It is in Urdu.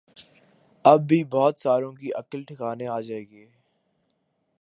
اب بھی بہت ساروں کی عقل ٹھکانے آجائے گی